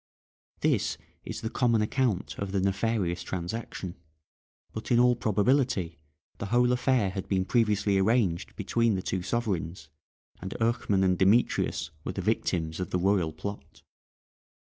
This is the common account of the nefarious transaction, but in all probability the whole affair had been previously arranged between the two sovereigns, and Eurchmann and Demetrius were the victims of the royal plot.